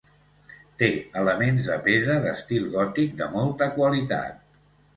Té elements de pedra d'estil gòtic de molta qualitat.